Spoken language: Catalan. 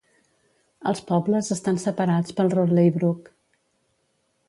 Els pobles estan separats pel Rothley Brook.